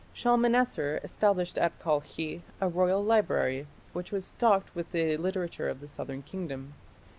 Shalmaneser established at Kalkhi a royal library which was stocked with the literature of the southern kingdom.